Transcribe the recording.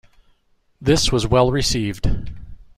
This was well received.